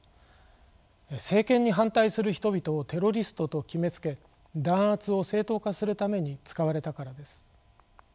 政権に反対する人々をテロリストと決めつけ弾圧を正当化するために使われたからです。